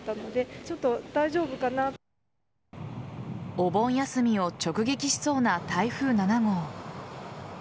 お盆休みを直撃しそうな台風７号。